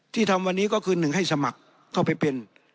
ที่ทำวันนี้ก็คือ๑ให้สมัครเข้าไปเป็น